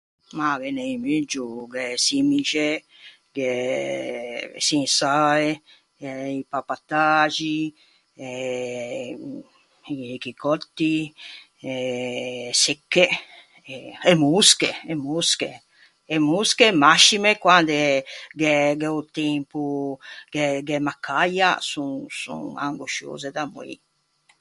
Mah ghe n’é un muggio. Gh’é e çimixe, gh’é e çinsae, gh’é i pappataxi, gh’é i chicòtti, e secche, e mosche, e mosche, e mosche mascime quande gh’é gh’é o tempo che gh’é macaia son son angosciose da moî.